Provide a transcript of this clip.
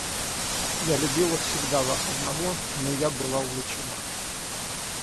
Я любила всегда вас одного, но я была увлечена.